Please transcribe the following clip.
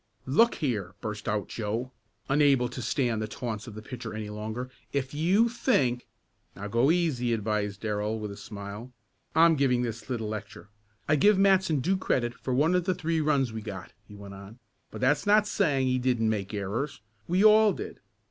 "Look here," burst out Joe, unable to stand the taunts of the pitcher any longer, "if you think " "Now, go easy," advised Darrell with a smile. "I'm giving this little lecture. I give Matson due credit for one of the three runs we got," he went on, "but that's not saying that he didn't make errors. We all did.